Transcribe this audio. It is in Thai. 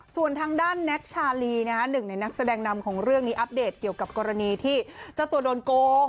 ส่วนทางด้านแน็กชาลีหนึ่งในนักแสดงนำของเรื่องนี้อัปเดตเกี่ยวกับกรณีที่เจ้าตัวโดนโกง